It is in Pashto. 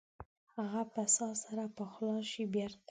هغه به ساه سره پخلا شي بیرته؟